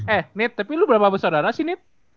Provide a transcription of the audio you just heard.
eh nith tapi lo berapa besodara sih nith